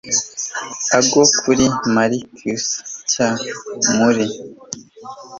Ago kuri Marquise nshya muri